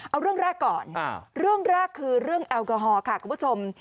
เอาเรื่องแรกก่อนเรื่องแรกคือเรื่องแอลกอฮอล์ค่ะคุณผู้ชม